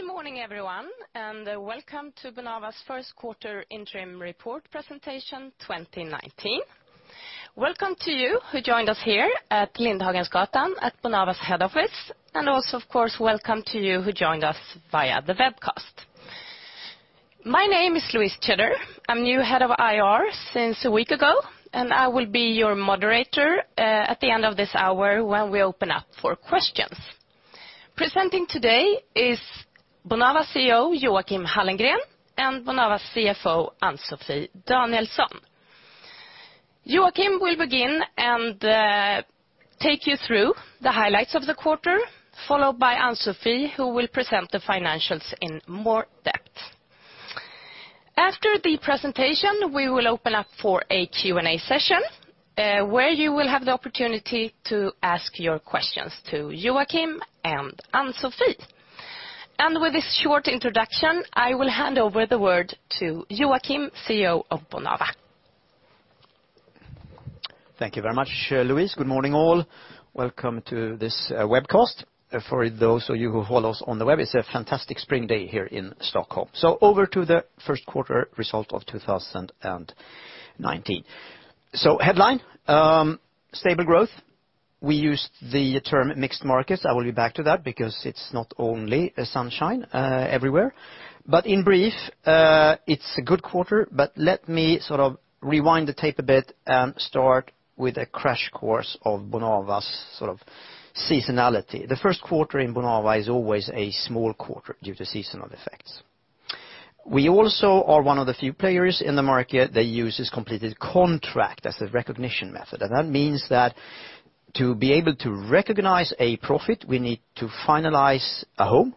Good morning, everyone, welcome to Bonava's first quarter interim report presentation 2019. Welcome to you who joined us here at Lindhagensgatan at Bonava's head office, also, of course, welcome to you who joined us via the webcast. My name is Louise Tjeder. I'm new head of IR since a week ago, I will be your moderator at the end of this hour when we open up for questions. Presenting today is Bonava CEO Joachim Hallengren and Bonava CFO Ann-Sofi Danielsson. Joachim will begin, take you through the highlights of the quarter, followed by Ann-Sofi, who will present the financials in more depth. After the presentation, we will open up for a Q&A session where you will have the opportunity to ask your questions to Joachim and Ann-Sofi. With this short introduction, I will hand over the word to Joachim, CEO of Bonava. Thank you very much, Louise. Good morning, all. Welcome to this webcast. For those of you who follow us on the web, it's a fantastic spring day here in Stockholm. Over to the first quarter result of 2019. Headline, stable growth. We used the term mixed markets. I will be back to that because it's not only sunshine everywhere. In brief, it's a good quarter, but let me sort of rewind the tape a bit and start with a crash course of Bonava's seasonality. The first quarter in Bonava is always a small quarter due to seasonal effects. We also are one of the few players in the market that uses completed contract as the recognition method. That means that to be able to recognize a profit, we need to finalize a home,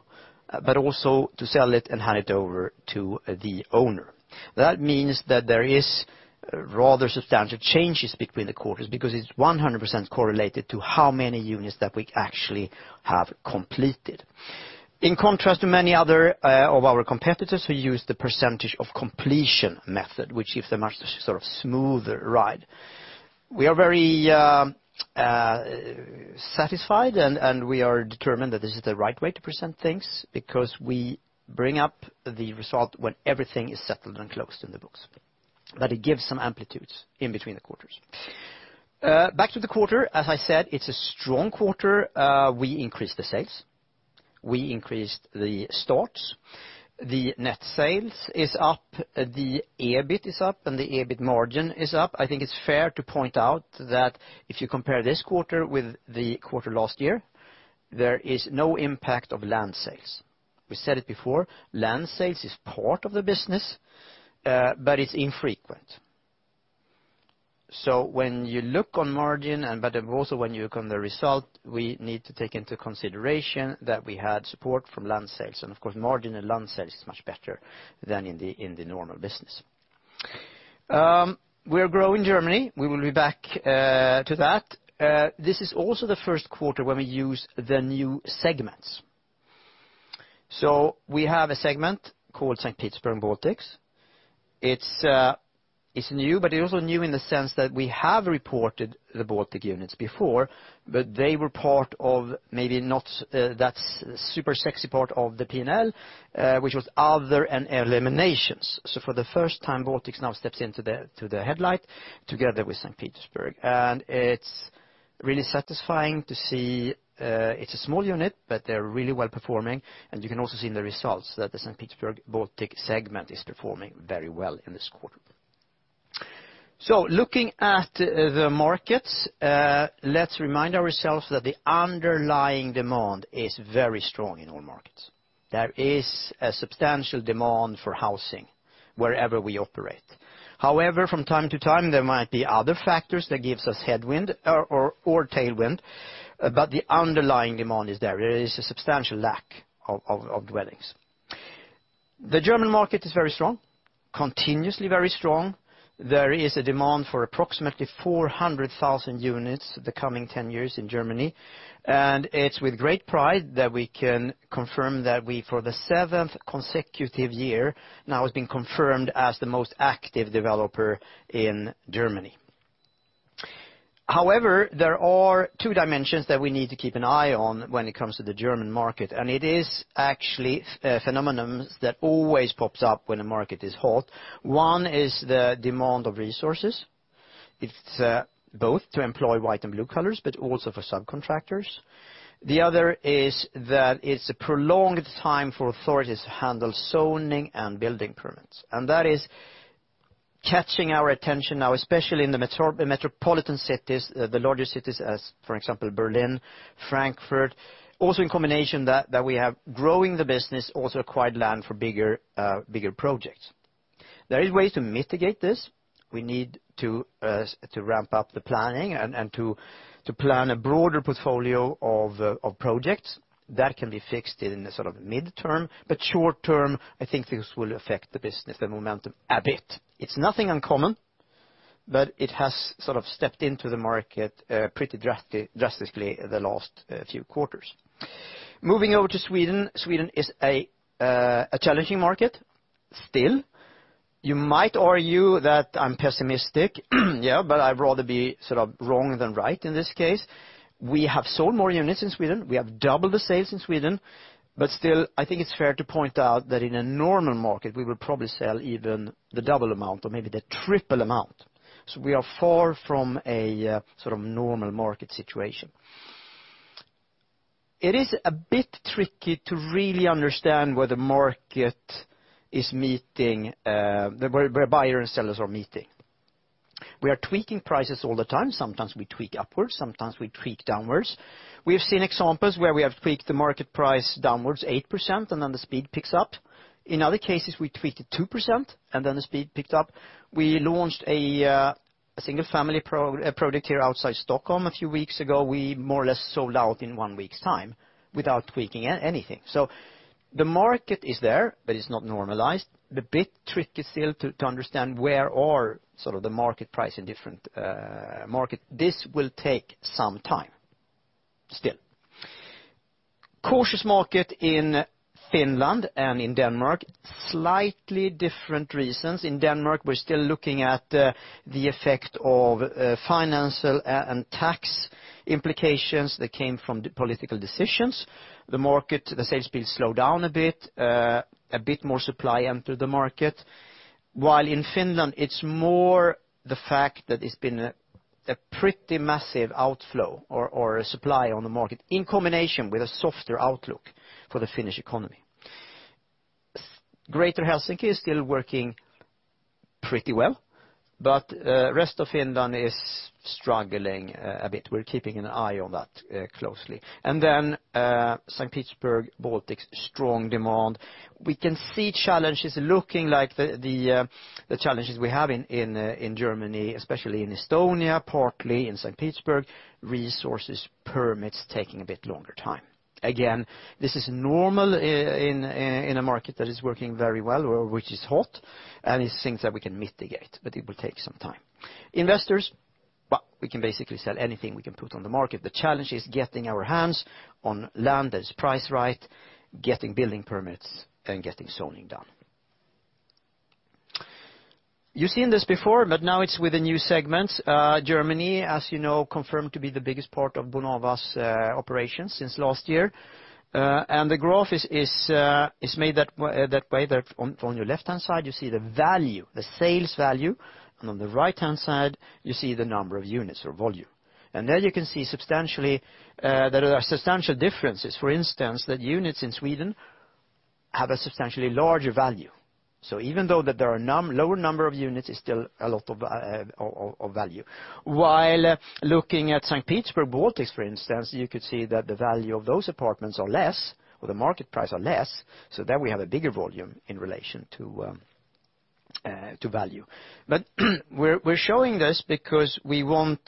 but also to sell it and hand it over to the owner. That means that there is rather substantial changes between the quarters because it's 100% correlated to how many units that we actually have completed. In contrast to many other of our competitors who use the percentage of completion method, which gives them a sort of smoother ride. We are very satisfied and we are determined that this is the right way to present things because we bring up the result when everything is settled and closed in the books. It gives some amplitudes in between the quarters. Back to the quarter, as I said, it's a strong quarter. We increased the sales. We increased the starts. The net sales is up, the EBIT is up, the EBIT margin is up. I think it's fair to point out that if you compare this quarter with the quarter last year, there is no impact of land sales. We said it before, land sales is part of the business, but it's infrequent. When you look on margin, but also when you look on the result, we need to take into consideration that we had support from land sales. Of course, margin in land sales is much better than in the normal business. We are growing Germany. We will be back to that. This is also the first quarter when we use the new segments. We have a segment called Saint Petersburg Baltics. It's new, but it's also new in the sense that we have reported the Baltic units before, but they were part of maybe not that super sexy part of the P&L, which was other and eliminations. For the first time, Baltics now steps into the headlight together with Saint Petersburg. It's really satisfying to see it's a small unit, but they're really well-performing, and you can also see in the results that the Saint Petersburg Baltics segment is performing very well in this quarter. Looking at the markets, let's remind ourselves that the underlying demand is very strong in all markets. There is a substantial demand for housing wherever we operate. However, from time to time, there might be other factors that gives us headwind or tailwind, but the underlying demand is there. There is a substantial lack of dwellings. The German market is very strong, continuously very strong. There is a demand for approximately 400,000 units the coming 10 years in Germany, and it's with great pride that we can confirm that we, for the seventh consecutive year, now has been confirmed as the most active developer in Germany. However, there are two dimensions that we need to keep an eye on when it comes to the German market, it is actually a phenomenon that always pops up when a market is hot. One is the demand of resources. It's both to employ white and blue collars, but also for subcontractors. The other is that it's a prolonged time for authorities to handle zoning and building permits. That is catching our attention now, especially in the metropolitan cities, the larger cities as, for example, Berlin, Frankfurt. Also in combination that we have growing the business also acquired land for bigger projects. There is ways to mitigate this. We need to ramp up the planning and to plan a broader portfolio of projects. That can be fixed in the sort of midterm. Short-term, I think this will affect the business, the momentum a bit. It's nothing uncommon, but it has sort of stepped into the market pretty drastically the last few quarters. Moving over to Sweden. Sweden is a challenging market. Still, you might argue that I'm pessimistic. I'd rather be wrong than right in this case. We have sold more units in Sweden. We have doubled the sales in Sweden. Still, I think it's fair to point out that in a normal market, we will probably sell even the double amount or maybe the triple amount. We are far from a normal market situation. It is a bit tricky to really understand where buyer and sellers are meeting. We are tweaking prices all the time. Sometimes we tweak upwards, sometimes we tweak downwards. We have seen examples where we have tweaked the market price downwards 8%, and then the speed picks up. In other cases, we tweaked it 2%, and then the speed picked up. We launched a single-family product here outside Stockholm a few weeks ago. We more or less sold out in one week's time without tweaking anything. The market is there, but it's not normalized. The bit trick is still to understand where are the market price in different market. This will take some time still. Cautious market in Finland and in Denmark. Slightly different reasons. In Denmark, we're still looking at the effect of financial and tax implications that came from the political decisions. The market, the sales speed slowed down a bit. A bit more supply entered the market. While in Finland, it's more the fact that it's been a pretty massive outflow or a supply on the market in combination with a softer outlook for the Finnish economy. Greater Helsinki is still working pretty well, but rest of Finland is struggling a bit. We're keeping an eye on that closely. Saint Petersburg Baltics, strong demand. We can see challenges looking like the challenges we have in Germany, especially in Estonia, partly in Saint Petersburg. Resources, permits taking a bit longer time. Again, this is normal in a market that is working very well or which is hot, and it's things that we can mitigate, but it will take some time. Investors, we can basically sell anything we can put on the market. The challenge is getting our hands on land that is priced right, getting building permits, and getting zoning done. You've seen this before, but now it's with a new segment. Germany, as you know, confirmed to be the biggest part of Bonava's operations since last year. The graph is made that way that on your left-hand side, you see the value, the sales value, and on the right-hand side, you see the number of units or volume. There you can see there are substantial differences. For instance, that units in Sweden have a substantially larger value. So even though there are lower number of units, it's still a lot of value. While looking at Saint Petersburg Baltics, for instance, you could see that the value of those apartments are less, or the market price are less, so there we have a bigger volume in relation to value. We're showing this because we want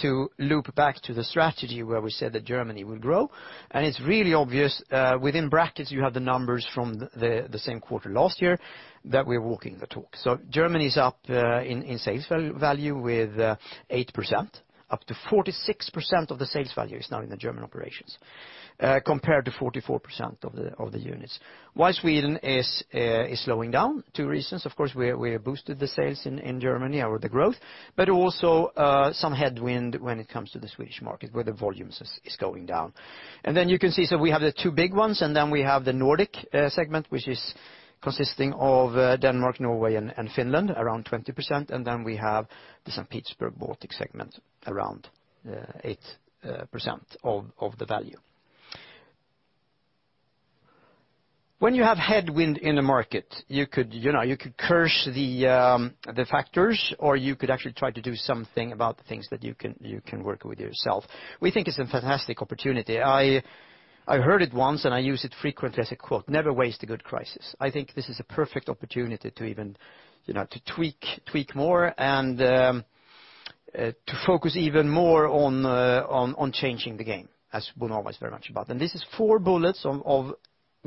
to loop back to the strategy where we said that Germany will grow. It's really obvious, within brackets you have the numbers from the same quarter last year, that we're walking the talk. Germany is up in sales value with 8%. Up to 46% of the sales value is now in the German operations compared to 44% of the units. While Sweden is slowing down. Two reasons, of course, we boosted the sales in Germany or the growth, but also some headwind when it comes to the Swedish market where the volumes is going down. You can see, we have the two big ones, and then we have the Nordic segment, which is consisting of Denmark, Norway, and Finland, around 20%. We have the Saint Petersburg Baltics segment, around 8% of the value. When you have headwind in a market, you could curse the factors, or you could actually try to do something about the things that you can work with yourself. We think it's a fantastic opportunity. I heard it once and I use it frequently as a quote, "Never waste a good crisis." I think this is a perfect opportunity to even tweak more and to focus even more on changing the game, as Bonava is very much about. This is four bullets of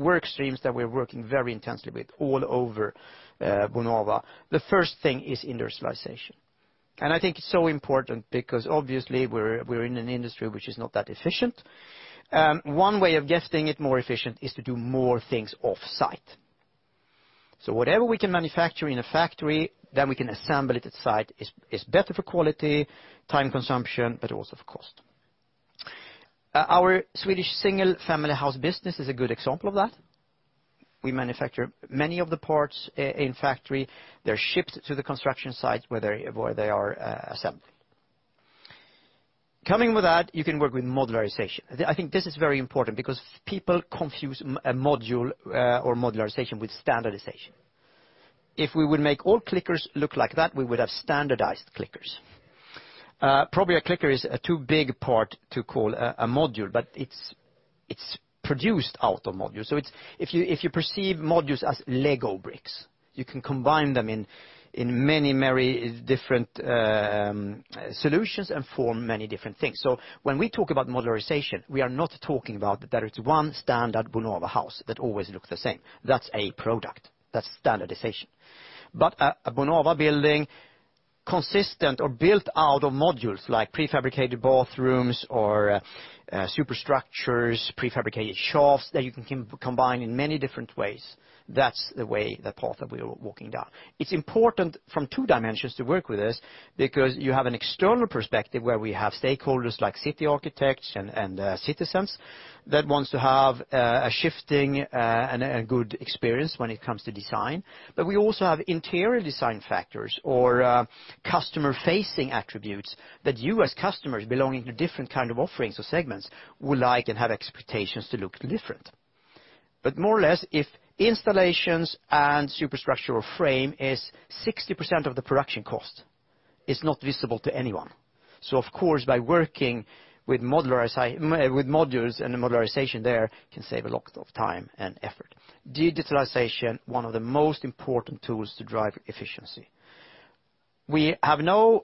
work streams that we're working very intensely with all over Bonava. The first thing is industrialization. I think it's so important because obviously we're in an industry which is not that efficient. One way of getting it more efficient is to do more things offsite. Whatever we can manufacture in a factory, then we can assemble it at site. It's better for quality, time consumption, but also for cost. Our Swedish single-family house business is a good example of that. We manufacture many of the parts in factory. They're shipped to the construction site where they are assembled. Coming with that, you can work with modularization. I think this is very important because people confuse a module or modularization with standardization. If we would make all clickers look like that, we would have standardized clickers. Probably a clicker is a too big part to call a module, but it's produced out of modules. If you perceive modules as Lego bricks, you can combine them in many different solutions and form many different things. When we talk about modularization, we are not talking about that it's one standard Bonava house that always looks the same. That's a product. That's standardization. A Bonava building, consistent or built out of modules like prefabricated bathrooms or superstructures, prefabricated shafts that you can combine in many different ways. That's the way, the path that we are walking down. It's important from two dimensions to work with this because you have an external perspective where we have stakeholders like city architects and citizens that wants to have a shifting and a good experience when it comes to design. We also have interior design factors or customer-facing attributes that you as customers belonging to different kind of offerings or segments will like and have expectations to look different. More or less, if installations and superstructural frame is 60% of the production cost, it's not visible to anyone. Of course, by working with modules and modularization there can save a lot of time and effort. Digitalization, one of the most important tools to drive efficiency. We have now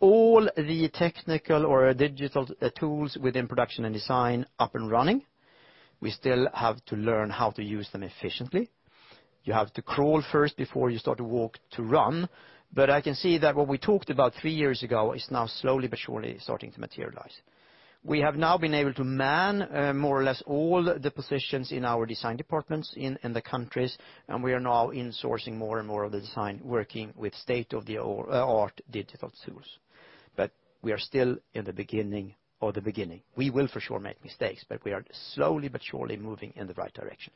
all the technical or digital tools within production and design up and running. We still have to learn how to use them efficiently. You have to crawl first before you start to walk to run. I can see that what we talked about three years ago is now slowly but surely starting to materialize. We have now been able to man more or less all the positions in our design departments in the countries, and we are now insourcing more and more of the design, working with state-of-the-art digital tools. We are still in the beginning of the beginning. We will for sure make mistakes, but we are slowly but surely moving in the right direction.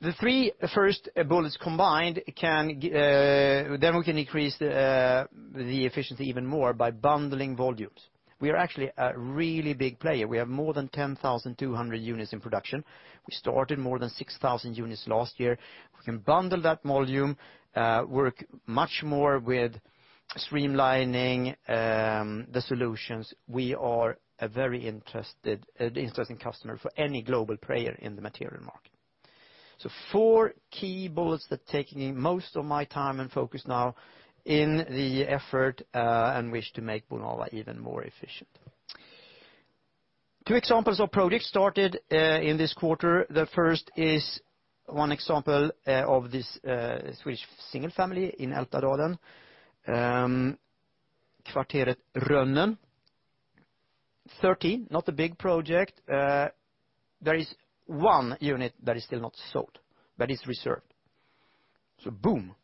The three first bullets combined, we can increase the efficiency even more by bundling volumes. We are actually a really big player. We have more than 10,200 units in production. We started more than 6,000 units last year. We can bundle that volume, work much more with streamlining the solutions. We are a very interesting customer for any global player in the material market. Four key bullets that are taking most of my time and focus now in the effort and wish to make Bonava even more efficient. Two examples of projects started in this quarter. The first is one example of this Swedish single family in Ältadalen. Kvarteret Rönnen. 13, not a big project. There is one unit that is still not sold but is reserved. Boom.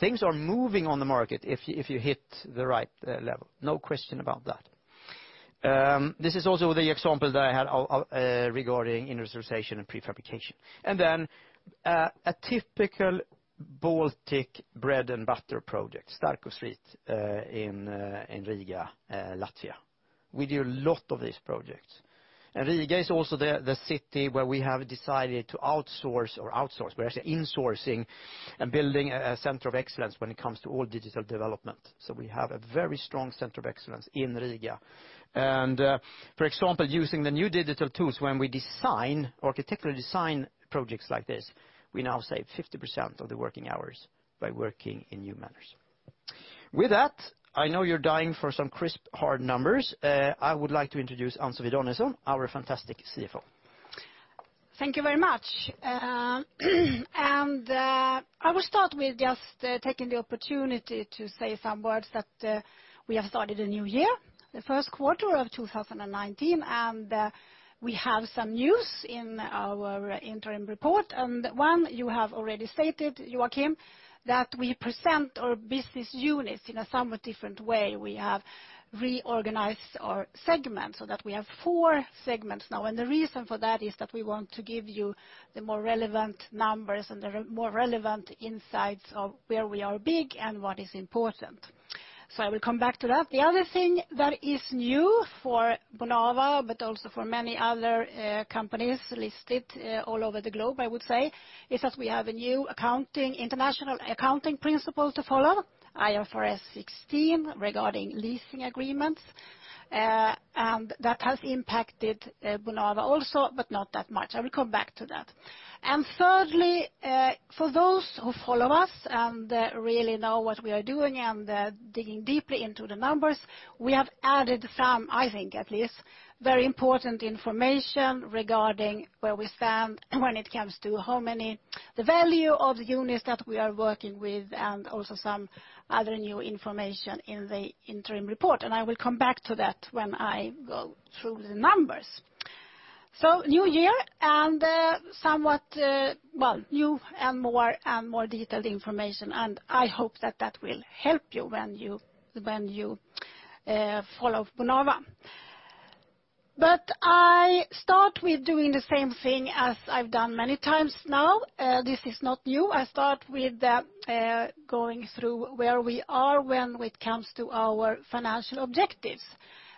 Things are moving on the market if you hit the right level. No question about that. This is also the example that I had regarding industrialization and prefabrication. A typical Baltic bread-and-butter project, Stārķu iela in Riga, Latvia. We do a lot of these projects. Riga is also the city where we have decided to outsource, we're actually insourcing and building a center of excellence when it comes to all digital development. We have a very strong center of excellence in Riga. For example, using the new digital tools when we design or technically design projects like this, we now save 50% of the working hours by working in new manners. With that, I know you're dying for some crisp, hard numbers. I would like to introduce Ann-Sofi Danielsson, our fantastic CFO. Thank you very much. I will start with just taking the opportunity to say some words that we have started a new year, the first quarter of 2019, and we have some news in our interim report. One you have already stated, Joachim, that we present our business units in a somewhat different way. We have reorganized our segments so that we have four segments now. The reason for that is that we want to give you the more relevant numbers and the more relevant insights of where we are big and what is important. I will come back to that. The other thing that is new for Bonava, but also for many other companies listed all over the globe, I would say, is that we have a new international accounting principle to follow, IFRS 16, regarding leasing agreements. That has impacted Bonava also, but not that much. I will come back to that. Thirdly, for those who follow us and really know what we are doing and digging deeper into the numbers, we have added some, I think at least, very important information regarding where we stand when it comes to how many, the value of the units that we are working with, and also some other new information in the interim report. I will come back to that when I go through the numbers. New year and somewhat, well, new and more detailed information, and I hope that that will help you when you follow Bonava. I start with doing the same thing as I've done many times now. This is not new. I start with going through where we are when it comes to our financial objectives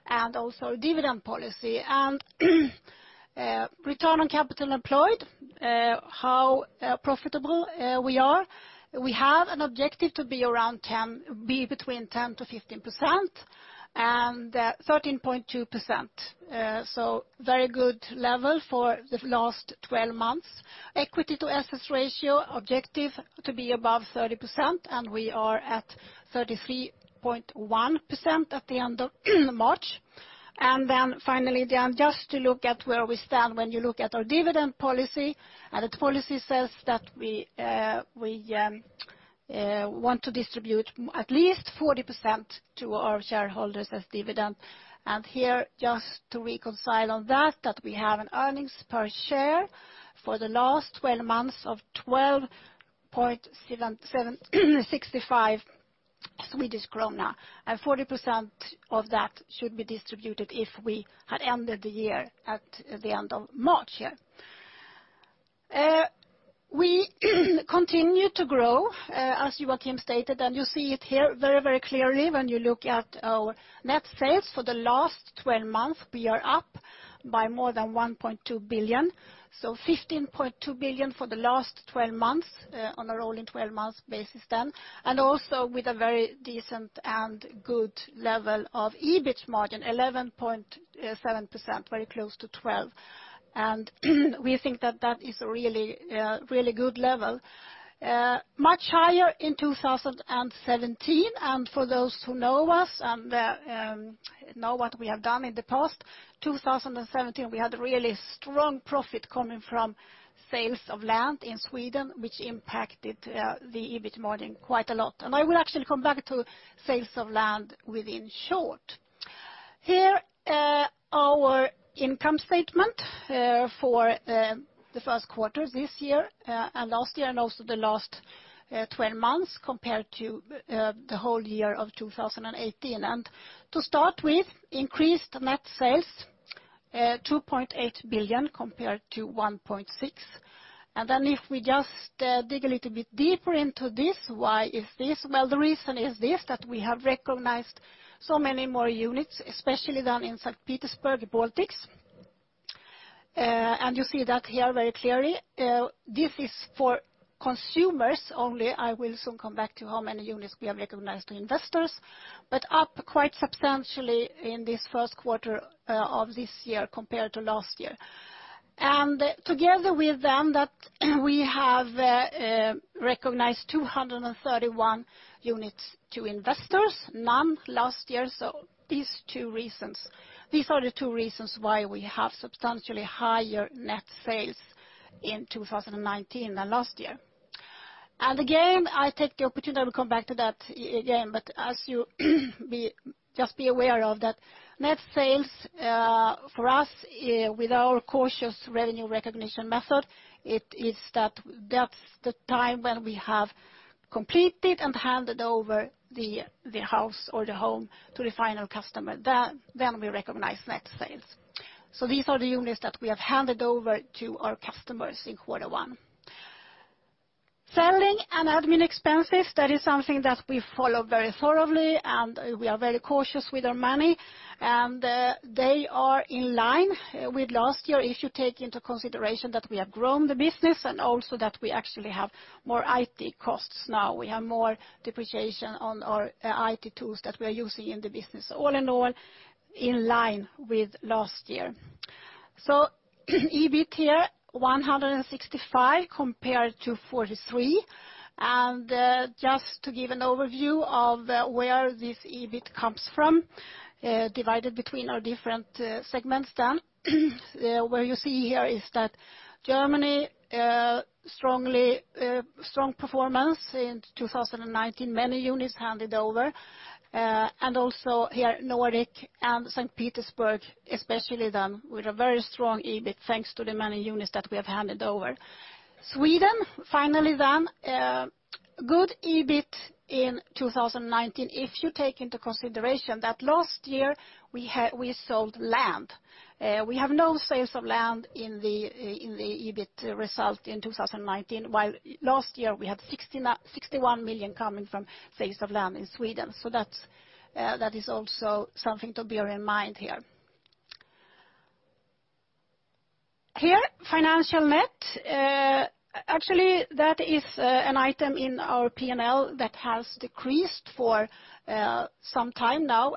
and also dividend policy. Return on capital employed, how profitable we are. We have an objective to be between 10%-15%, and 13.2%. Very good level for the last 12 months. Equity to assets ratio objective to be above 30%, and we are at 33.1% at the end of March. Finally, just to look at where we stand when you look at our dividend policy, and the policy says that we want to distribute at least 40% to our shareholders as dividend. Here, just to reconcile on that we have an earnings per share for the last 12 months of 12.65 Swedish krona, and 40% of that should be distributed if we had ended the year at the end of March here. We continue to grow, as Joachim stated, you see it here very, very clearly when you look at our net sales for the last 12 months, we are up by more than 1.2 billion. 15.2 billion for the last 12 months on a rolling 12 months basis then, also with a very decent and good level of EBIT margin, 11.7%, very close to 12. We think that is a really good level. Much higher in 2017, for those who know us and know what we have done in the past, 2017, we had really strong profit coming from sales of land in Sweden, which impacted the EBIT margin quite a lot. I will actually come back to sales of land within short. Here our income statement for the first quarter this year and last year, also the last 12 months compared to the whole year of 2018. To start with increased net sales, 2.8 billion compared to 1.6 billion. If we just dig a little bit deeper into this, why is this? Well, the reason is this, that we have recognized so many more units, especially down in Saint Petersburg Baltics. You see that here very clearly. This is for consumers only. I will soon come back to how many units we have recognized to investors, but up quite substantially in this first quarter of this year compared to last year. Together with them that we have recognized 231 units to investors, none last year. These are the two reasons why we have substantially higher net sales in 2019 than last year. Again, I take the opportunity to come back to that again, but as you just be aware of that net sales for us with our cautious revenue recognition method, it is that that's the time when we have completed and handed over the house or the home to the final customer, then we recognize net sales. These are the units that we have handed over to our customers in quarter one. Selling and admin expenses, that is something that we follow very thoroughly, we are very cautious with our money, they are in line with last year. If you take into consideration that we have grown the business also that we actually have more IT costs now. We have more depreciation on our IT tools that we are using in the business. All in all, in line with last year. EBIT here, 165 compared to 43. Just to give an overview of where this EBIT comes from divided between our different segments then. What you see here is that Germany strong performance in 2019, many units handed over. Also here Nordic and Saint Petersburg, especially them with a very strong EBIT, thanks to the many units that we have handed over. Sweden, finally then, good EBIT in 2019. If you take into consideration that last year we sold land. We have no sales of land in the EBIT result in 2019, while last year we had 61 million coming from sales of land in Sweden. That is also something to bear in mind here. Here, financial net. Actually, that is an item in our P&L that has decreased for some time now.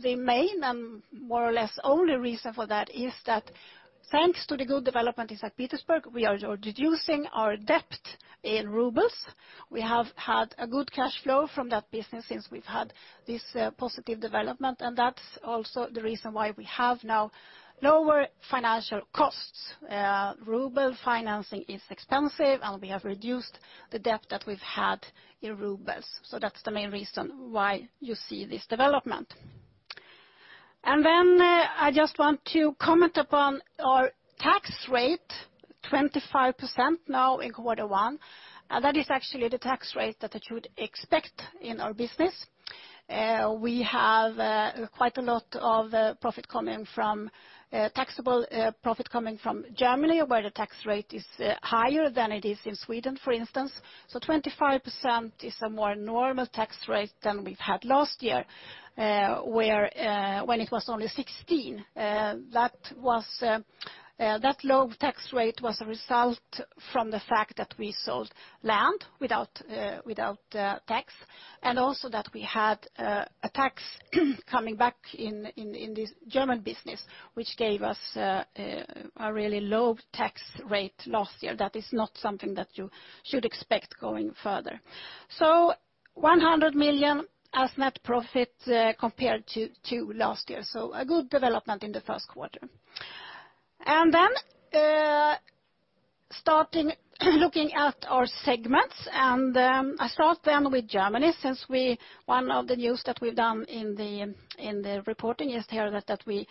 The main and more or less only reason for that is that thanks to the good development in Saint Petersburg, we are reducing our debt in rubles. We have had a good cash flow from that business since we've had this positive development, and that is also the reason why we have now lower financial costs. Ruble financing is expensive, and we have reduced the debt that we've had in rubles. That is the main reason why you see this development. Then I just want to comment upon our tax rate, 25% now in quarter one. That is actually the tax rate that you would expect in our business. We have quite a lot of taxable profit coming from Germany, where the tax rate is higher than it is in Sweden, for instance. 25% is a more normal tax rate than we've had last year, when it was only 16%. That low tax rate was a result from the fact that we sold land without tax, and also that we had a tax coming back in this German business, which gave us a really low tax rate last year. That is not something that you should expect going further. 100 million as net profit compared to last year. A good development in the first quarter. Looking at our segments. I start then with Germany, since one of the news that we've done in the reporting is here that we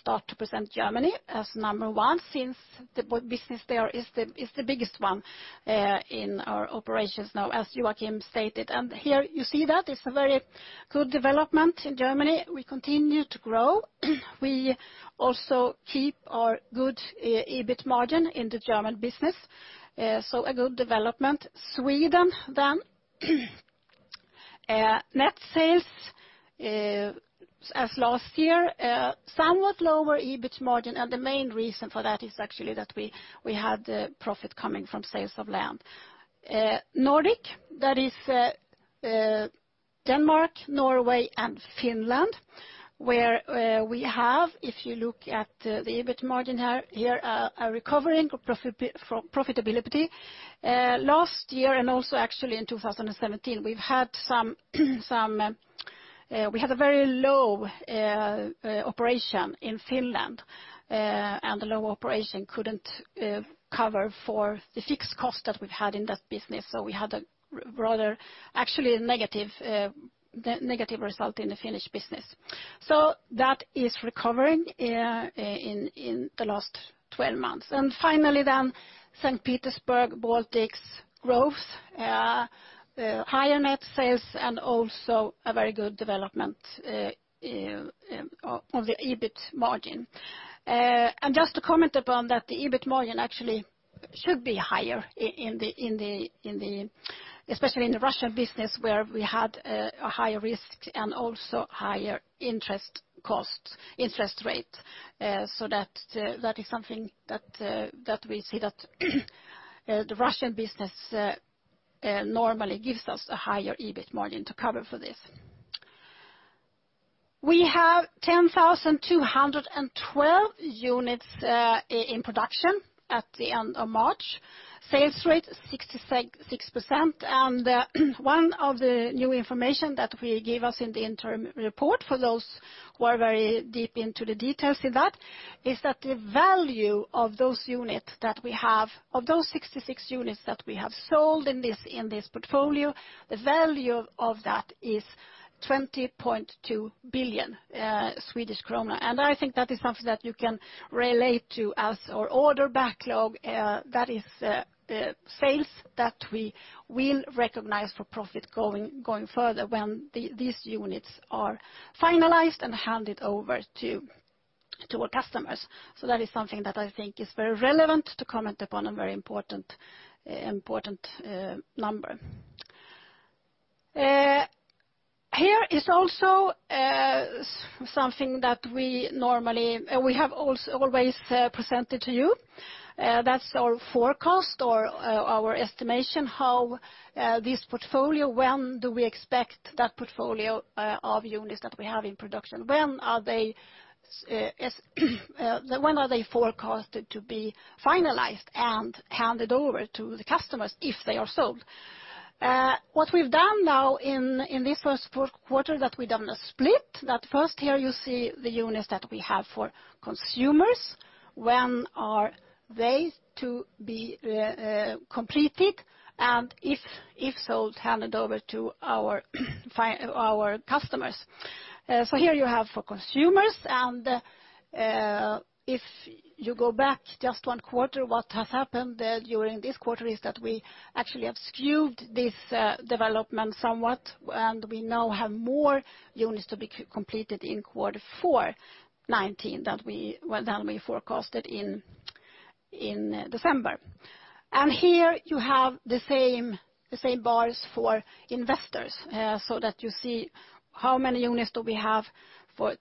start to present Germany as number one, since the business there is the biggest one in our operations now, as Joachim stated. Here you see that it is a very good development in Germany. We continue to grow. We also keep our good EBIT margin in the German business, a good development. Sweden. Then, net sales as last year, somewhat lower EBIT margin, and the main reason for that is actually that we had the profit coming from sales of land. Nordic, that is Denmark, Norway, and Finland, where we have, if you look at the EBIT margin here, a recovering profitability. Last year and also actually in 2017, we had a very low operation in Finland. The low operation could not cover for the fixed cost that we've had in that business. We had, actually, a negative result in the Finnish business. That is recovering in the last 12 months. Finally then, Saint Petersburg Baltics growth. Higher net sales, and also a very good development on the EBIT margin. Just to comment upon that, the EBIT margin actually should be higher, especially in the Russian business, where we had a higher risk and also higher interest rate. That is something that we see that the Russian business normally gives us a higher EBIT margin to cover for this. We have 10,212 units in production at the end of March. Sales rate, 66%. One of the new information that we give us in the interim report, for those who are very deep into the details in that, is that the value of those 66 units that we have sold in this portfolio, the value of that is 20.2 billion Swedish krona. I think that is something that you can relate to as our order backlog. That is sales that we will recognize for profit going further when these units are finalized and handed over to our customers. That is something that I think is very relevant to comment upon, a very important number. Here is also something that we have always presented to you. That's our forecast or our estimation, this portfolio, when do we expect that portfolio of units that we have in production? When are they forecasted to be finalized and handed over to the customers if they are sold? What we've done now in this first quarter, that we've done a split, that first here you see the units that we have for consumers. When are they to be completed and if sold, handed over to our customers. Here you have for consumers and if you go back just one quarter, what has happened during this quarter is that we actually have skewed this development somewhat, and we now have more units to be completed in quarter 4 2019 than we forecasted in December. Here you have the same bars for investors, that you see how many units do we have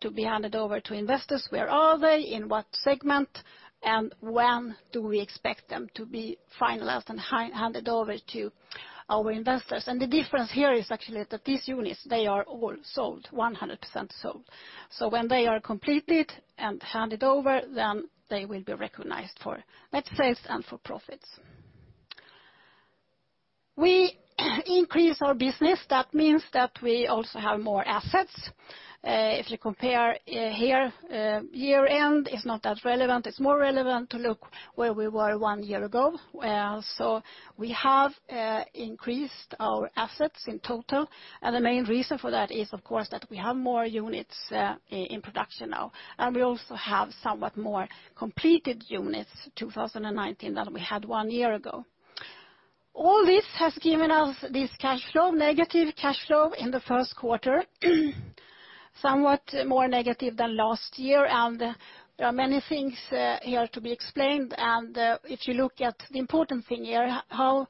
to be handed over to investors, where are they, in what segment, and when do we expect them to be finalized and handed over to our investors. The difference here is actually that these units, they are all sold, 100% sold. When they are completed and handed over, then they will be recognized for net sales and for profits. We increase our business. That means that we also have more assets. If you compare here year end is not that relevant, it's more relevant to look where we were one year ago. We have increased our assets in total, and the main reason for that is, of course, that we have more units in production now. We also have somewhat more completed units in 2019 than we had one year ago. All this has given us this negative cash flow in the first quarter, somewhat more negative than last year, and there are many things here to be explained. If you look at the important thing here, how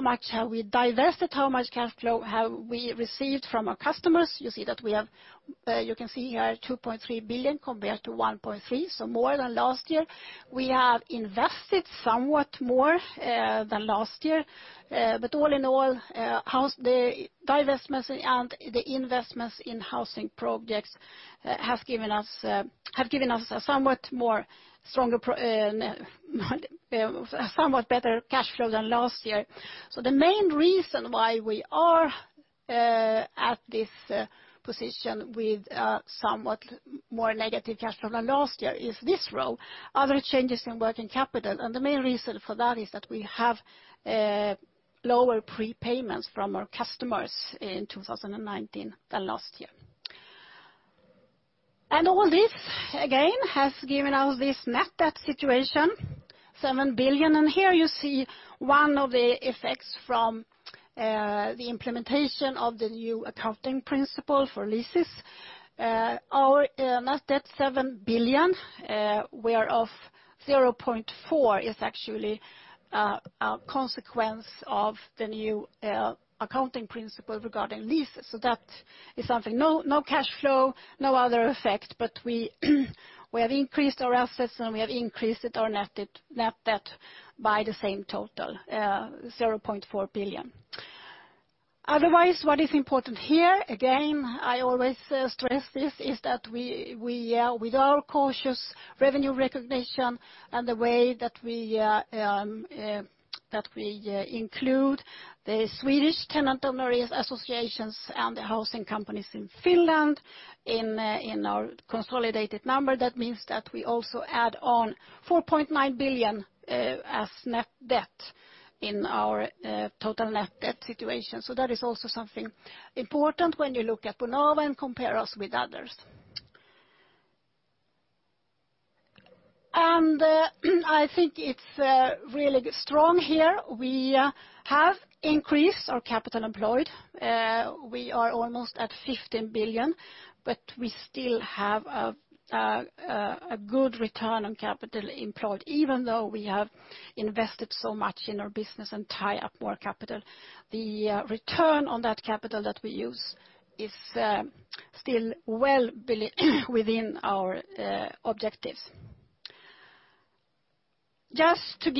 much have we divested? How much cash flow have we received from our customers? You can see here 2.3 billion compared to 1.3 billion, more than last year. We have invested somewhat more than last year. All in all, the divestments and the investments in housing projects have given us a somewhat better cash flow than last year. The main reason why we are At this position with somewhat more negative cash flow than last year is this row, other changes in working capital. The main reason for that is that we have lower prepayments from our customers in 2019 than last year. All this, again, has given us this net debt situation, 7 billion. Here you see one of the effects from the implementation of the new accounting principle for leases. Our net debt, 7 billion, whereof 0.4 billion is actually a consequence of the new accounting principle regarding leases. That is something. No cash flow, no other effect, but we have increased our assets and we have increased our net debt by the same total, 0.4 billion. Otherwise, what is important here, again, I always stress this, is that with our cautious revenue recognition and the way that we include the Swedish tenant-owner associations and the housing companies in Finland in our consolidated number. That means that we also add on 4.9 billion as net debt in our total net debt situation. That is also something important when you look at Bonava and compare us with others. I think it's really strong here. We have increased our capital employed. We are almost at 15 billion, but we still have a good return on capital employed, even though we have invested so much in our business and tie up more capital. The return on that capital that we use is still well within our objectives. Just to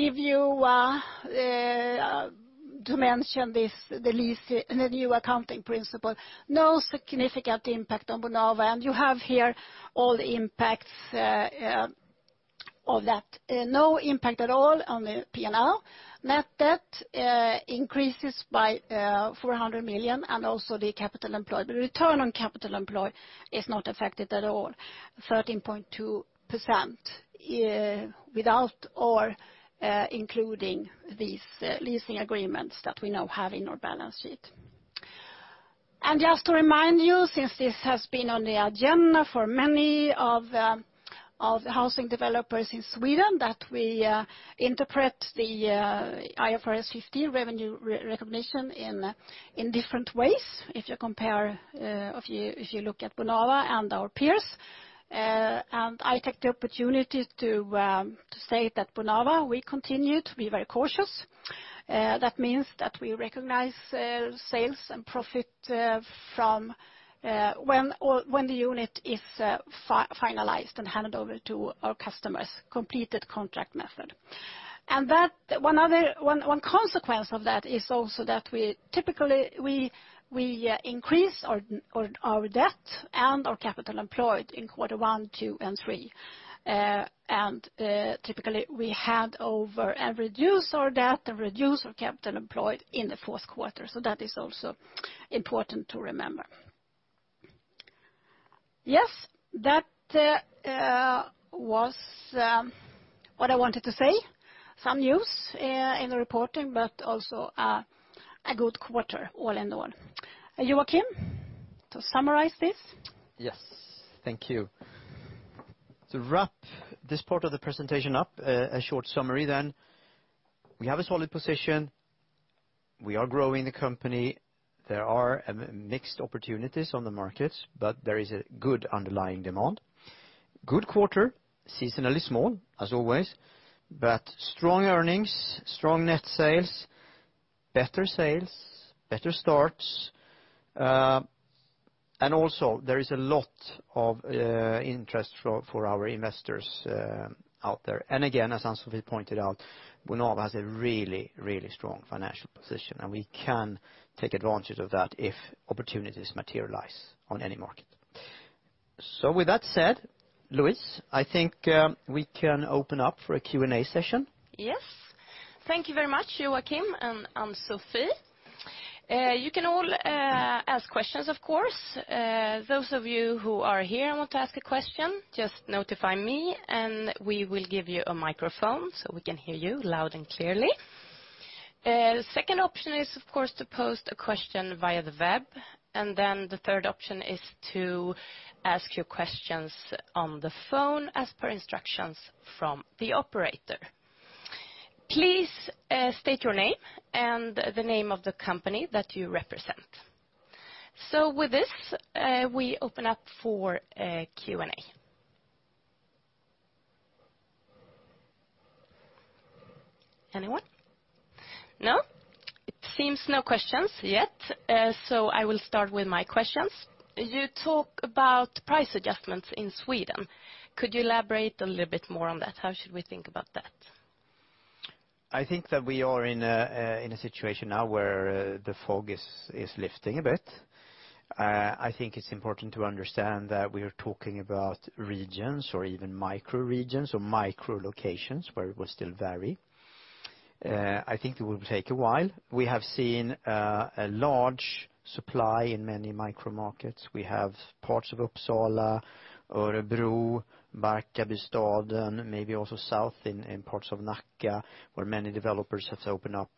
mention the new accounting principle. No significant impact on Bonava. You have here all the impacts of that. No impact at all on the P&L. Net debt increases by 400 million and also the capital employed. The return on capital employed is not affected at all, 13.2% without or including these leasing agreements that we now have in our balance sheet. Just to remind you, since this has been on the agenda for many of the housing developers in Sweden, that we interpret the IFRS 15 revenue recognition in different ways if you look at Bonava and our peers. I take the opportunity to say that Bonava, we continue to be very cautious. That means that we recognize sales and profit from when the unit is finalized and handed over to our customers, completed contract method. One consequence of that is also that typically we increase our debt and our capital employed in quarter one, two, and three. Typically, we hand over and reduce our debt and reduce our capital employed in the fourth quarter. That is also important to remember. Yes, that was what I wanted to say. Some news in the reporting, but also a good quarter all in all. Joachim, to summarize this? Yes. Thank you. To wrap this part of the presentation up, a short summary then. We have a solid position. We are growing the company. There are mixed opportunities on the markets, but there is a good underlying demand. Good quarter, seasonally small as always, but strong earnings, strong net sales, better sales, better starts. Also there is a lot of interest for our investors out there. Again, as Ann-Sofi pointed out, Bonava has a really, really strong financial position, and we can take advantage of that if opportunities materialize on any market. With that said, Louise, I think we can open up for a Q&A session. Yes. Thank you very much, Joachim and Ann-Sofi. You can all ask questions, of course. Those of you who are here and want to ask a question, just notify me and we will give you a microphone so we can hear you loud and clearly. Second option is, of course, to post a question via the web, and then the third option is to ask your questions on the phone as per instructions from the operator. Please state your name and the name of the company that you represent. With this, we open up for Q&A. Anyone? No? It seems no questions yet. I will start with my questions. You talk about price adjustments in Sweden. Could you elaborate a little bit more on that? How should we think about that? I think that we are in a situation now where the fog is lifting a bit. I think it is important to understand that we are talking about regions or even micro-regions or micro-locations where it will still vary. I think it will take a while. We have seen a large supply in many micro markets. We have parts of Uppsala, Örebro, Barkarbystaden, maybe also south in parts of Nacka, where many developers have opened up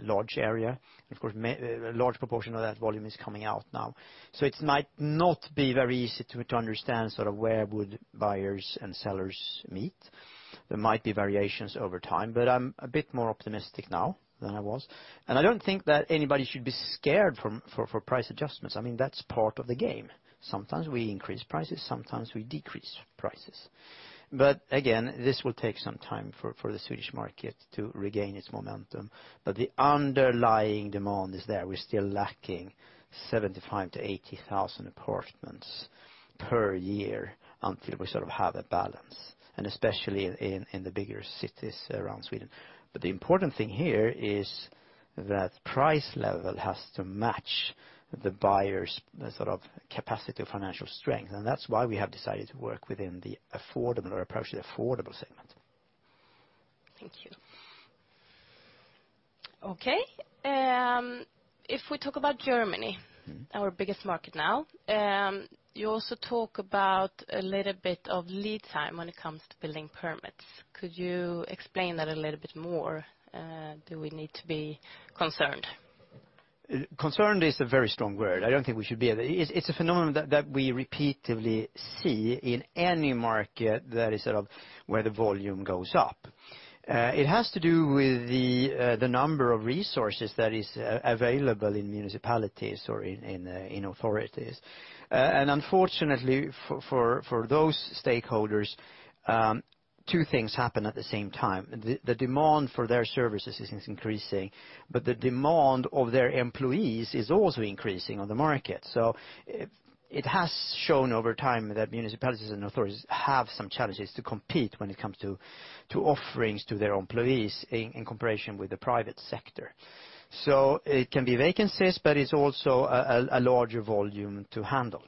large area. Of course, a large proportion of that volume is coming out now. It might not be very easy to understand where would buyers and sellers meet. There might be variations over time, but I am a bit more optimistic now than I was. I do not think that anybody should be scared for price adjustments. That is part of the game. Sometimes we increase prices, sometimes we decrease prices. Again, this will take some time for the Swedish market to regain its momentum. The underlying demand is there. We are still lacking 75,000 to 80,000 apartments per year until we have a balance, and especially in the bigger cities around Sweden. The important thing here is that price level has to match the buyer's capacity or financial strength. That is why we have decided to work within the affordable or approach the affordable segment. Thank you. Okay. If we talk about Germany. Our biggest market now. You also talk about a little bit of lead time when it comes to building permits. Could you explain that a little bit more? Do we need to be concerned? Concerned is a very strong word. I don't think we should be. It's a phenomenon that we repeatedly see in any market that is where the volume goes up. It has to do with the number of resources that is available in municipalities or in authorities. Unfortunately for those stakeholders, two things happen at the same time. The demand for their services is increasing, but the demand of their employees is also increasing on the market. It has shown over time that municipalities and authorities have some challenges to compete when it comes to offerings to their employees in comparison with the private sector. It can be vacancies, but it's also a larger volume to handle.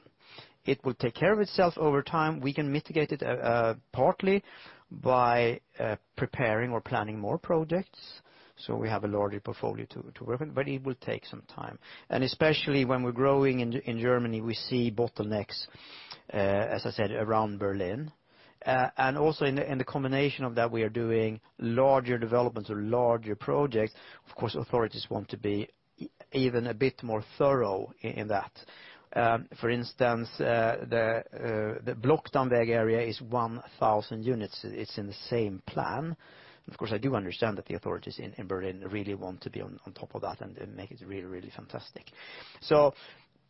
It will take care of itself over time. We can mitigate it partly by preparing or planning more projects so we have a larger portfolio to work with, but it will take some time. Especially when we're growing in Germany, we see bottlenecks, as I said, around Berlin. Also in the combination of that, we are doing larger developments or larger projects. Of course, authorities want to be even a bit more thorough in that. For instance the Blockdammweg area is 1,000 units. It's in the same plan. Of course, I do understand that the authorities in Berlin really want to be on top of that and make it really fantastic.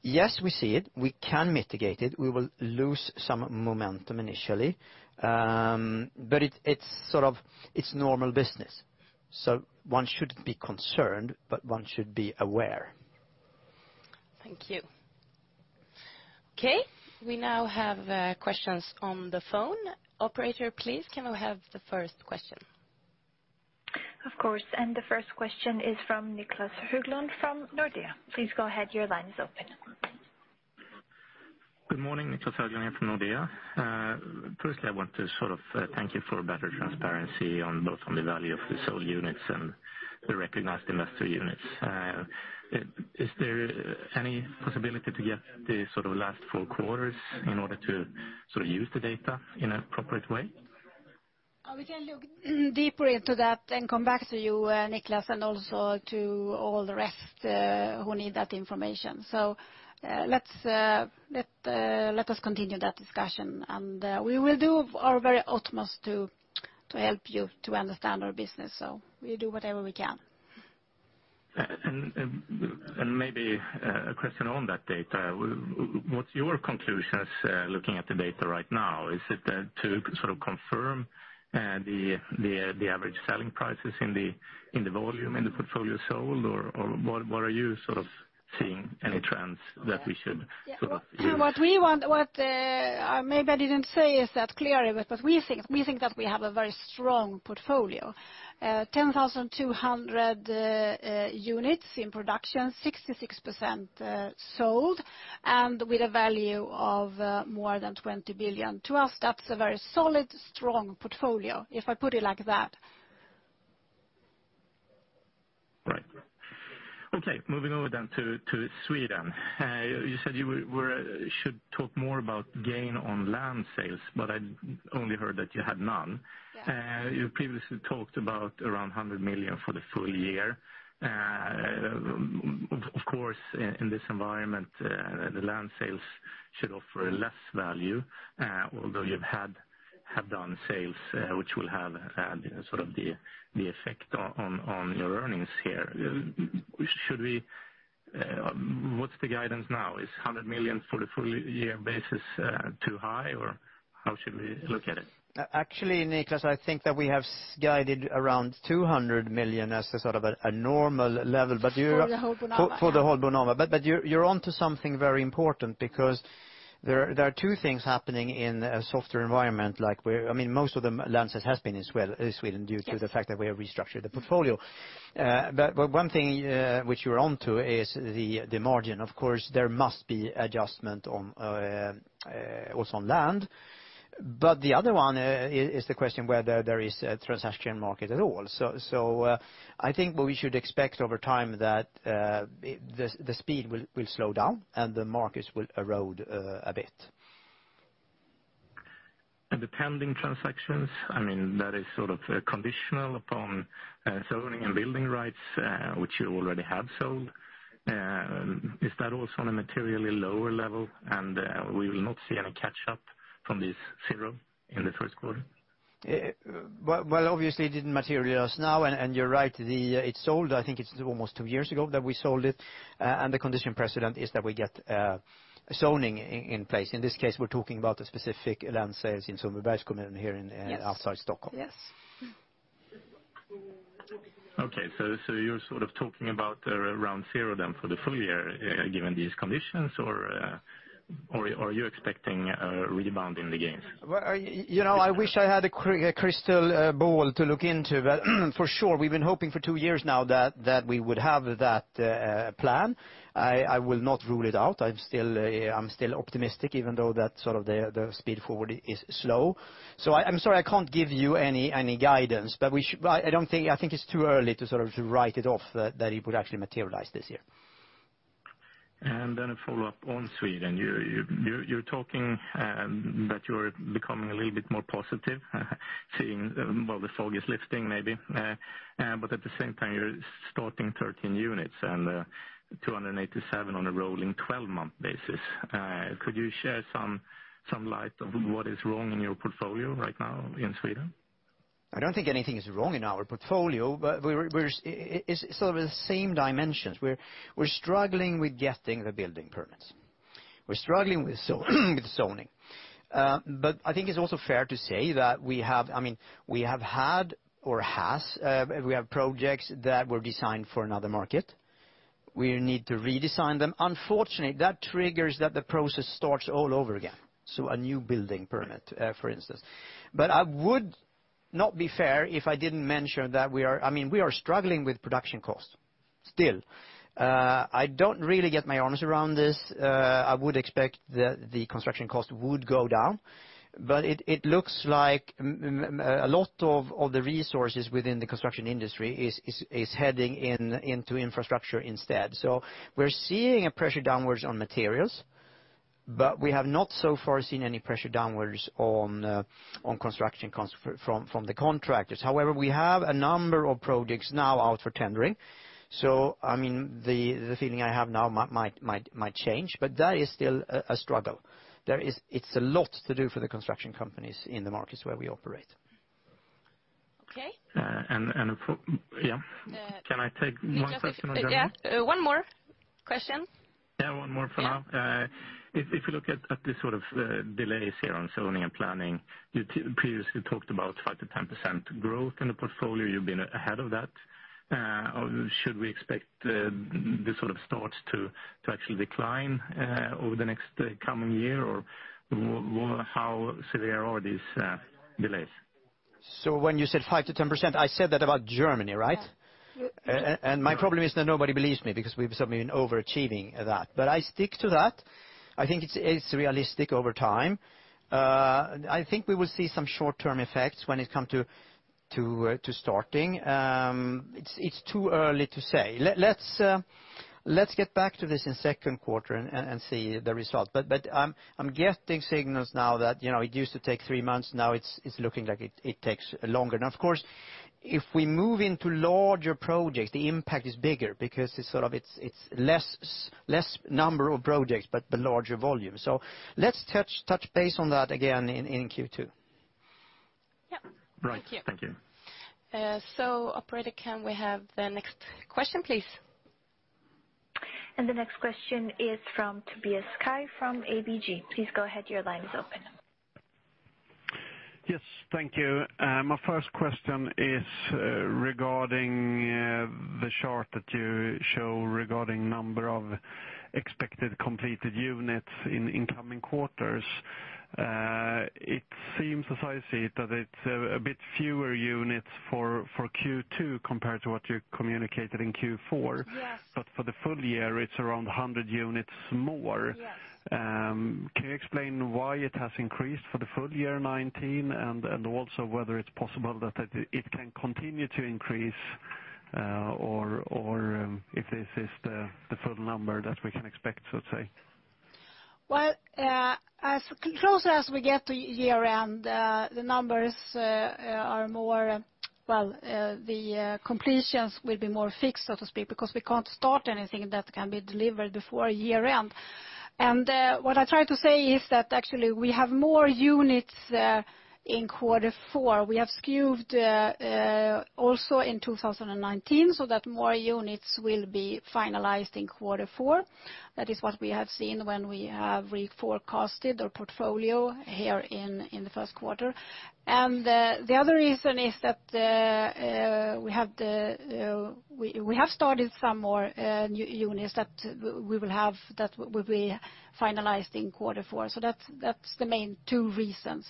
Yes, we see it. We can mitigate it. We will lose some momentum initially. It's normal business. One shouldn't be concerned, but one should be aware. Thank you. Okay, we now have questions on the phone. Operator, please can we have the first question? Of course. The first question is from Niclas Höglund from Nordea. Please go ahead. Your line is open. Good morning. Niclas Höglund from Nordea. Firstly, I want to thank you for better transparency both on the value of the sold units and the recognized investor units. Is there any possibility to get the last four quarters in order to use the data in an appropriate way? We can look deeper into that and come back to you, Niclas, and also to all the rest who need that information. Let us continue that discussion, and we will do our very utmost to help you to understand our business. We'll do whatever we can. Maybe a question on that data. What's your conclusions looking at the data right now? Is it to confirm the average selling prices in the volume in the portfolio sold, or what are you seeing any trends that we should? Yeah. What maybe I didn't say is that clearly, we think that we have a very strong portfolio. 10,200 units in production, 66% sold, and with a value of more than 20 billion. To us, that's a very solid, strong portfolio, if I put it like that. Right. Okay, moving over to Sweden. You said you should talk more about gain on land sales, but I only heard that you had none. Yeah. You previously talked about around 100 million for the full year. Of course, in this environment the land sales should offer less value although you have done sales which will have the effect on your earnings here. What's the guidance now? Is 100 million for the full year basis too high, or how should we look at it? Actually, Niclas, I think that we have guided around 200 million as a normal level. For the whole Bonava, yeah. For the whole Bonava. You're onto something very important, because there are two things happening in a softer environment like we're. Most of the focus has been in Sweden due to the fact that we have restructured the portfolio. One thing which you're onto is the margin. Of course, there must be adjustment also on land. The other one is the question whether there is a transaction market at all. I think what we should expect over time, that the speed will slow down and the markets will erode a bit. The pending transactions, that is conditional upon zoning and building rights, which you already have sold. Is that also on a materially lower level, and we will not see any catch-up from this zero in the first quarter? Well, obviously it didn't materialize now, and you're right. It sold, I think it's almost 2 years ago that we sold it, and the condition precedent is that we get zoning in place. In this case, we're talking about the specific land sales in Sundbybergs kommun here outside Stockholm. Yes. Okay. You're talking about around zero then for the full year, given these conditions, or are you expecting a rebound in the gains? I wish I had a crystal ball to look into, but for sure, we've been hoping for two years now that we would have that plan. I will not rule it out. I'm still optimistic, even though the speed forward is slow. I'm sorry I can't give you any guidance. I think it's too early to write it off that it would actually materialize this year. A follow-up on Sweden. You're talking that you're becoming a little bit more positive, seeing while the fog is lifting maybe. At the same time, you're starting 13 units and 287 on a rolling 12-month basis. Could you share some light on what is wrong in your portfolio right now in Sweden? I don't think anything is wrong in our portfolio, it's the same dimensions. We're struggling with getting the building permits. We're struggling with zoning. I think it's also fair to say that we have projects that were designed for another market. We need to redesign them. Unfortunately, that triggers that the process starts all over again, so a new building permit, for instance. I would not be fair if I didn't mention that we are struggling with production cost still. I don't really get my arms around this. I would expect that the construction cost would go down, but it looks like a lot of the resources within the construction industry is heading into infrastructure instead. We're seeing a pressure downwards on materials, we have not so far seen any pressure downwards on construction from the contractors. However, we have a number of projects now out for tendering. The feeling I have now might change, that is still a struggle. It's a lot to do for the construction companies in the markets where we operate. Okay. Can I take one question on Germany? Yeah. One more question. Yeah, one more for now. Yeah. If you look at the delays here on zoning and planning, you previously talked about 5%-10% growth in the portfolio. You've been ahead of that. Should we expect this sort of starts to actually decline over the next coming year? Or how severe are these delays? When you said 5%-10%, I said that about Germany, right? Yeah. My problem is that nobody believes me because we've certainly been overachieving that. I stick to that. I think it's realistic over time. I think we will see some short-term effects when it come to starting. It's too early to say. Let's get back to this in second quarter and see the result. I'm getting signals now that it used to take 3 months. It's looking like it takes longer. Of course, if we move into larger projects, the impact is bigger because it's less number of projects, but the larger volume. Let's touch base on that again in Q2. Yeah. Thank you. Right. Thank you. Operator, can we have the next question, please? The next question is from Tobias Kaj from ABG. Please go ahead, your line is open. Yes. Thank you. My first question is regarding the chart that you show regarding number of expected completed units in incoming quarters. It seems, as I see it, that it's a bit fewer units for Q2 compared to what you communicated in Q4. Yes. For the full year, it's around 100 units more. Yes. Can you explain why it has increased for the full year 2019, and also whether it's possible that it can continue to increase, or if this is the full number that we can expect, so to say? Well, as close as we get to year-end, the numbers are. Well, the completions will be more fixed, so to speak, because we can't start anything that can be delivered before year-end. What I try to say is that actually we have more units in quarter four. We have skewed also in 2019, so that more units will be finalized in quarter four. That is what we have seen when we have re-forecasted our portfolio here in the first quarter. The other reason is that we have started some more new units that will be finalized in quarter four. That's the main two reasons.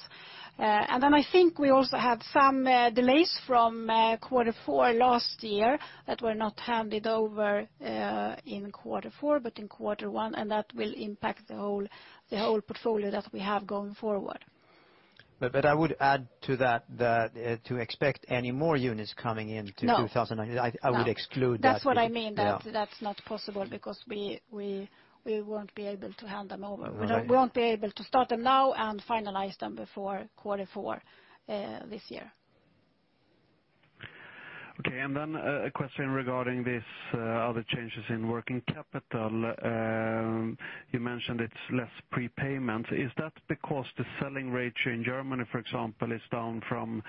Then I think we also had some delays from quarter four last year that were not handed over in quarter four, but in quarter one, and that will impact the whole portfolio that we have going forward. I would add to that, to expect any more units coming into 2019. No. I would exclude that. That's what I mean, that's not possible because we won't be able to hand them over. We won't be able to start them now and finalize them before quarter four this year. Okay, a question regarding these other changes in working capital. You mentioned it's less prepayment. Is that because the selling rate in Germany, for example, is down from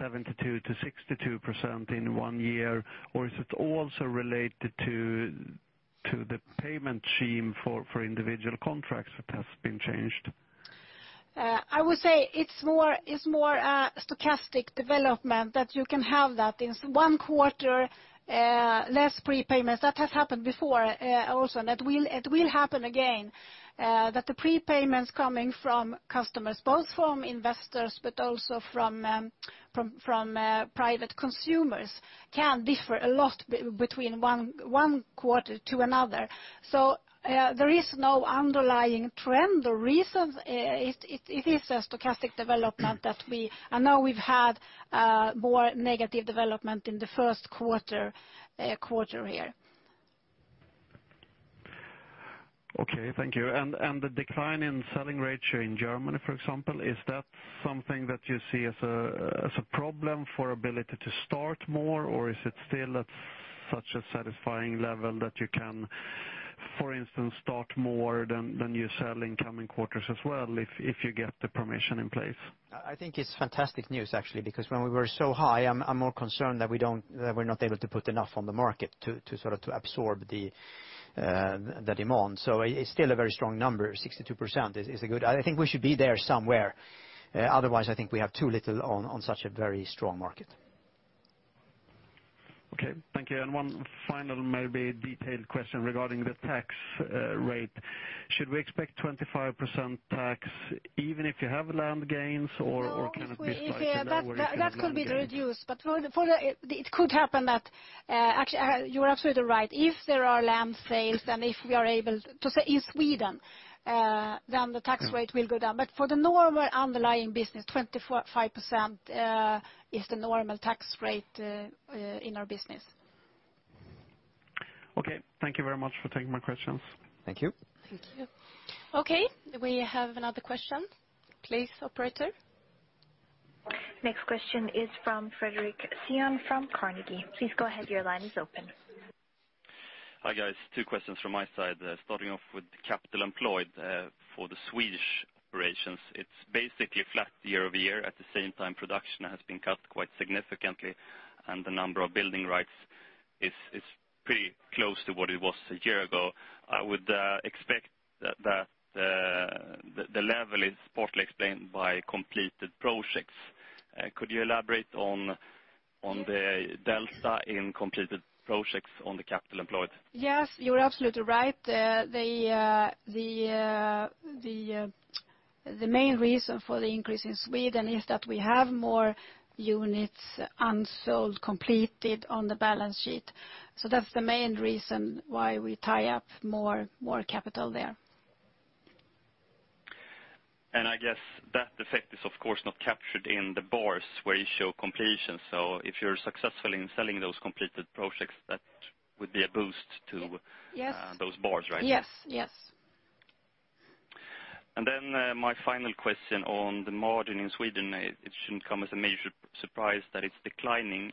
72%-62% in one year? Is it also related to the payment scheme for individual contracts that has been changed? I would say it's more a stochastic development that you can have that. In one quarter, less prepayment. That has happened before also, it will happen again, that the prepayments coming from customers, both from investors but also from private consumers, can differ a lot between one quarter to another. There is no underlying trend or reason. It is a stochastic development that we've had more negative development in the first quarter here. Okay, thank you. The decline in selling rates in Germany, for example, is that something that you see as a problem for ability to start more? Is it still at such a satisfying level that you can, for instance, start more than you sell in coming quarters as well if you get the permission in place? I think it's fantastic news actually, because when we were so high, I'm more concerned that we're not able to put enough on the market to absorb the demand. It's still a very strong number. 62% is a good. I think we should be there somewhere. Otherwise, I think we have too little on such a very strong market. Okay, thank you. One final, maybe detailed question regarding the tax rate. Should we expect 25% tax even if you have land gains, or can it be slightly lower if you have land gains? That could be reduced. You're absolutely right. If there are land sales, then if we are able to sell in Sweden, then the tax rate will go down. For the normal underlying business, 25% is the normal tax rate in our business. Okay. Thank you very much for taking my questions. Thank you. Thank you. Okay, we have another question. Please, operator. Next question is from Fredric Cyon from Carnegie. Please go ahead, your line is open. Hi, guys. Two questions from my side. Starting off with capital employed for the Swedish operations. It's basically flat year-over-year. At the same time, production has been cut quite significantly, and the number of building rights is pretty close to what it was a year ago. I would expect that the level is partly explained by completed projects. Could you elaborate on the delta in completed projects on the capital employed? Yes, you're absolutely right. The main reason for the increase in Sweden is that we have more units unsold completed on the balance sheet. That's the main reason why we tie up more capital there. I guess that effect is, of course, not captured in the bars where you show completion. If you're successful in selling those completed projects, that would be a boost to those bars, right? Yes. My final question on the margin in Sweden. It shouldn't come as a major surprise that it's declining.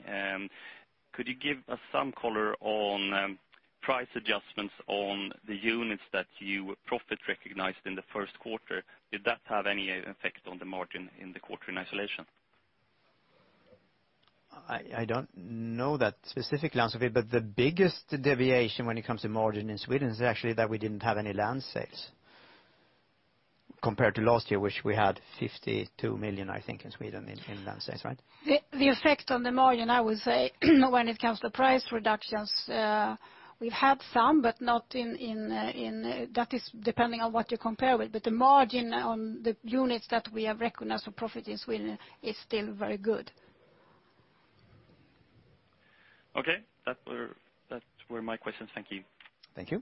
Could you give us some color on price adjustments on the units that you profit recognized in the first quarter? Did that have any effect on the margin in the quarter in isolation? I don't know that specific answer, but the biggest deviation when it comes to margin in Sweden is actually that we didn't have any land sales. Compared to last year, which we had 52 million, I think, in Sweden in land sales, right? The effect on the margin, I would say, when it comes to price reductions, we've had some, but that is depending on what you compare with. The margin on the units that we have recognized for profit in Sweden is still very good. Okay. That were my questions. Thank you. Thank you.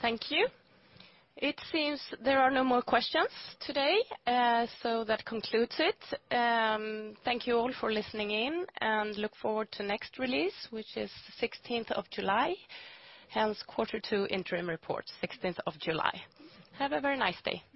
Thank you. It seems there are no more questions today. That concludes it. Thank you all for listening in, and look forward to next release, which is 16th of July, hence quarter two interim report, 16th of July. Have a very nice day.